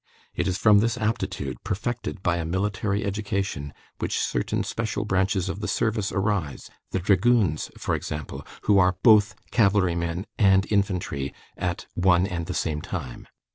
It is from this aptitude, perfected by a military education, which certain special branches of the service arise, the dragoons, for example, who are both cavalry men and infantry at one and the same time.